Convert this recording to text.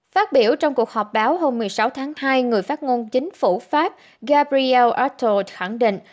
phát biểu trong cuộc họp báo hôm một mươi sáu tháng hai người phát ngôn chính phủ pháp gabriel ato khẳng định